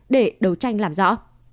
để đấu tranh làm rõ